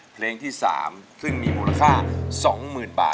เพลงที่๓ซึ่งมีมูลค่า๒๐๐๐บาท